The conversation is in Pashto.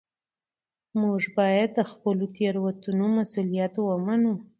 موږ باید د خپلو تېروتنو مسوولیت ومنو